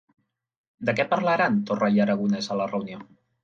De què parlaran Torra i Aragonès a la reunió?